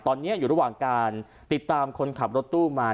ตอนนี้อยู่ระหว่างการติดตามคนขับรถตู้มา